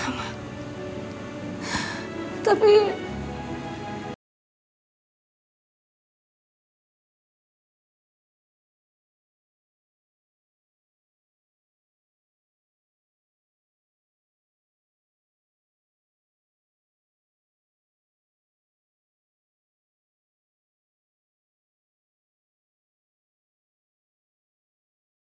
aku jadi ikutan sendiri